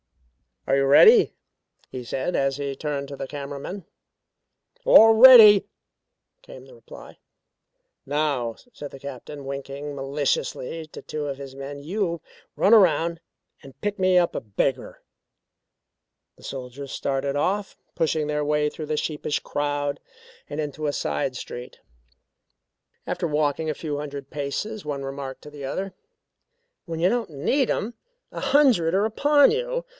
"Are you ready?" he said as he turned to the camera men. "All ready," came the reply. "Now," said the Captain winking maliciously to two of his men. "You run around and pick me up a beggar." The soldiers started off, pushing their way through the sheepish crowd and into a side street. After walking a few hundred paces one remarked to the other: "When you don't need them, a hundred are upon you.